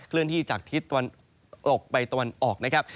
เลื่อนที่จากทิศตะวันออกไปตะวันออกนะครับ